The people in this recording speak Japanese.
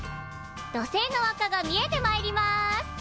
土星の輪っかが見えてまいります！